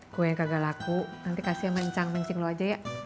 kue yang kagak laku nanti kasih sama encang encing lo aja ya